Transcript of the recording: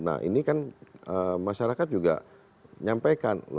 nah ini kan masyarakat juga nyampaikan